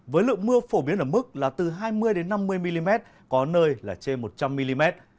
với lượng mưa phổ biến ở mức là từ hai mươi năm mươi mm có nơi là trên một trăm linh mm